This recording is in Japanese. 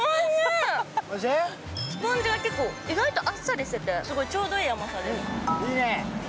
スポンジが結構、意外とあっさりしてて、すごいちょうどいい甘さです。